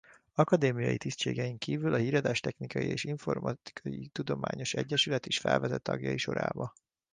Akadémiai tisztségein kívül a Híradástechnikai és Informatikai Tudományos Egyesület is felvette tagjai sorába.